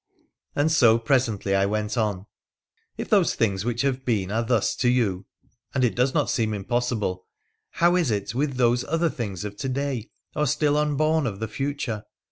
And so presently I went on, ' If those things which have been are thus to you — and it does not seem impossible — how is it with those other things of to day, or still unborn of the future